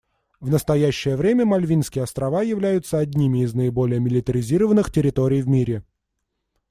В настоящее время Мальвинские острова являются одними из наиболее милитаризированных территорий в мире.